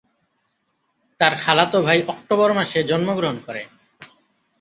তার খালাতো ভাই অক্টোবর মাসে জন্মগ্রহণ করে।